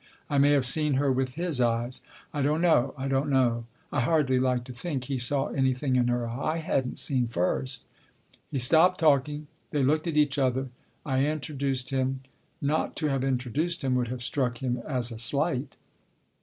I may have seen her with his eyes. I don't know I don't know. I hardly like to think he saw anything in her I hadn't seen first. He stopped talking. They looked at each other. I introduced him. Not to have introduced him would have struck him as a slight.